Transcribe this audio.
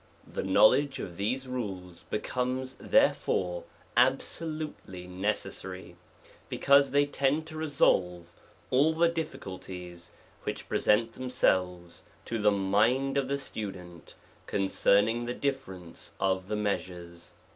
The knowledge of these rules becomes therefore absolutely necessary ; because they tend to resolve all the difficulties, which present them selves, to^the mind of the student, concerning the difference of the measures.